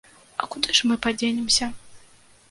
А куды ж мы падзенемся?